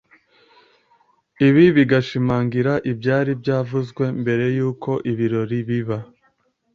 ibi bigashimangira ibyari byavuzwe mbere y’uko ibirori biba